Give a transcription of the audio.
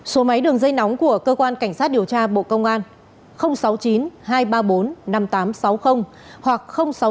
số máy đường dây nóng của cơ quan cảnh sát điều tra bộ công an sáu mươi chín hai trăm ba mươi bốn năm nghìn tám trăm sáu mươi hoặc sáu mươi chín hai trăm ba mươi hai một nghìn sáu trăm sáu mươi